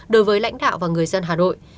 đối với lãnh đạo và người dân hà nội